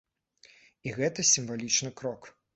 І гэта сімвалічны крок.